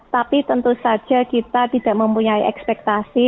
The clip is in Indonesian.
tapi tentu saja kita tidak mempunyai ekspektasi